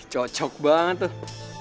cocok banget tuh